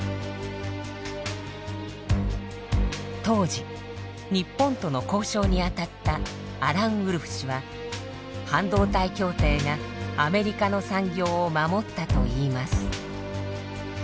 当時日本との交渉に当たったアラン・ウルフ氏は半導体協定がアメリカの産業を守ったといいます。